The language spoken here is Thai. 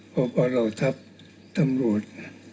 พอพอเราทับตำรวจ